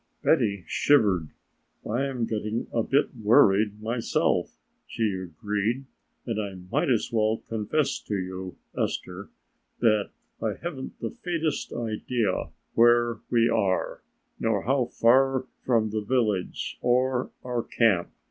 Betty shivered. "I am getting a bit worried myself," she agreed, "and I might as well confess to you, Esther, that I haven't the faintest idea where we are, nor how far from the village or our camp.